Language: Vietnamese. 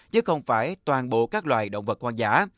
chứ không phải toàn bộ các loài động vật hoang dã